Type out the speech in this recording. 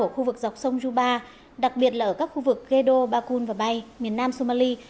ở khu vực dọc sông juba đặc biệt là ở các khu vực gedo bakun và bay miền nam somali